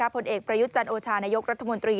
ผลเอกประยุทธ์จันโอชานายกรัฐมนตรี